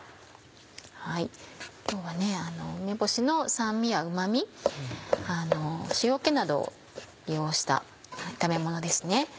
今日は梅干しの酸味やうま味塩気などを利用した炒めものですね。